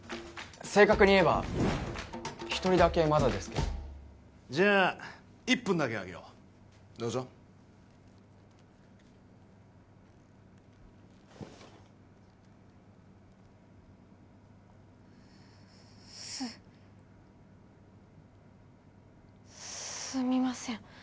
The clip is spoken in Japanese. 正確に言えば一人だけまだですけどじゃあ１分だけあげようどうぞすすみません